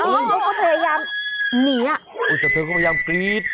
เออโอ้ก็พยายามหนีอะโอ้แต่เธอก็พยายามกรี๊ด